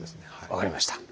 分かりました。